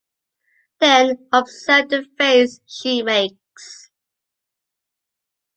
Then observe the face she makes.